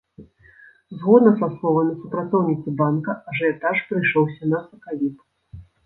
Згодна са словамі супрацоўніцы банка, ажыятаж прыйшоўся на сакавік.